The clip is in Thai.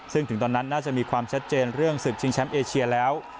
ซึ่งถึงตอนนั้นน่าจะมีความชัดเจนเรื่องศึกชิงแชมป์เอเชียแล้ว